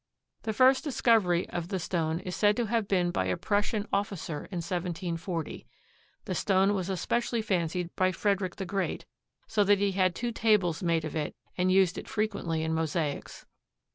The first discovery of the stone is said to have been made by a Prussian officer in 1740. The stone was especially fancied by Frederick the Great so that he had two tables made of it and used it frequently in mosaics.